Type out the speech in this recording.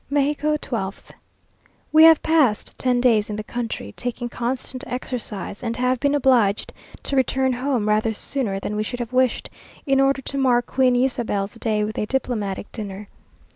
MEXICO, 12th. We have passed ten days in the country, taking constant exercise, and have been obliged to return home rather sooner than we should have wished, in order to mark Queen Ysabel's Day with a diplomatic dinner.